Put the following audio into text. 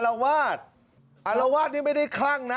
อลวาดยังไม่ได้ช่างนะ